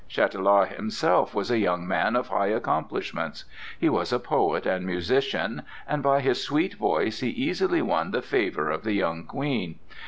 Chatelard himself was a young man of high accomplishments. He was a poet and musician, and by his sweet voice he easily won the favor of the young Queen.